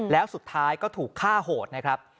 แล้วสุดท้ายก็ถูกฆ่าโหดนะครับ